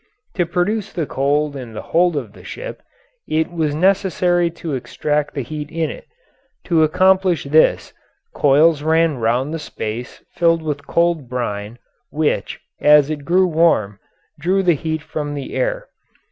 To produce the cold in the hold of the ship it was necessary to extract the heat in it; to accomplish this, coils ran round the space filled with cold brine, which, as it grew warm, drew the heat from the air.